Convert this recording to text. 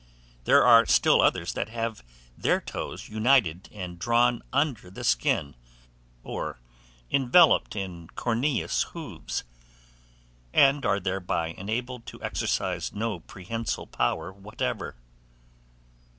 There are still others that have their toes united and drawn under the skin, or enveloped in corneous hoofs, and are thereby enabled to exercise no prehensile power whatever.